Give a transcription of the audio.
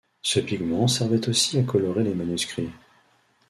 Ce pigment servait aussi à colorer les manuscrits.